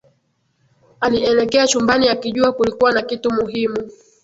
Alielekea chumbani akijua kulikuwa na kitu muhimu